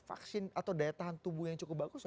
vaksin atau daya tahan tubuh yang cukup bagus